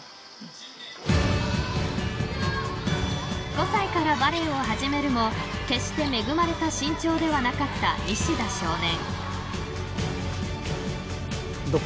［５歳からバレーを始めるも決して恵まれた身長ではなかった西田少年］